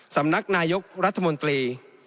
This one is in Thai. สำนักนายกรัฐมนตรี